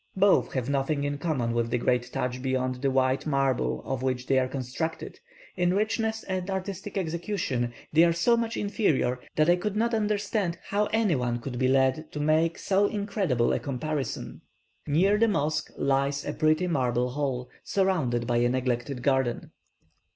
Both have nothing in common with the great Tadsch beyond the white marble of which they are constructed; in richness and artistic execution, they are so much inferior, that I could not understand how any one could be led to make so incredible a comparison. Near the mosque lies a pretty marble hall, surrounded by a neglected garden.